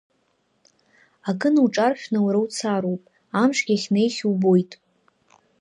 Акы науҿаршәны уара уцароуп, амшгьы ахьнеихьоу убоит.